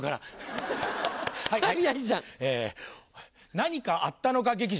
何かあったのか劇場。